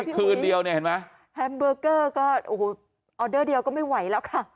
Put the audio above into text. คืนเดียวเนี่ยเห็นไหมแฮมเบอร์เกอร์ก็โอ้โหออเดอร์เดียวก็ไม่ไหวแล้วค่ะ